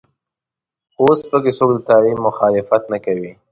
خو اوس په کې څوک د تعلیم مخالفت نه کوي.